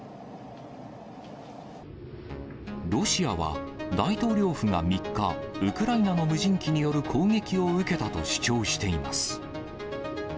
ロシアは、大統領府が３日、ウクライナの無人機による攻撃を受けたと主張しています。